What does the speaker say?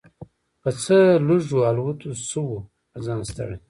په څه لږو الوتو سو په ځان ستړی